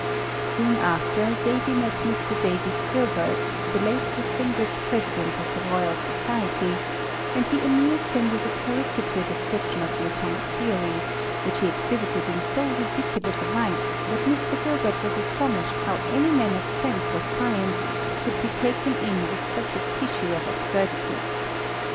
Soon after, Davy met Mr. Davis Gilbert, the late distinguished presi dent of the Royal Society ; and he amused him with a caricature description of the atomic theory, which he exhibited in so ridiculous a light, that Mr. Gilbert was astonished how any man of sense or science could be taken in with such a tissue of ab surdities.